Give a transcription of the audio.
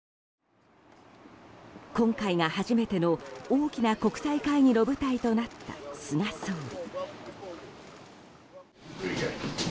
今回が初めての大きな国際会議の舞台となった菅総理。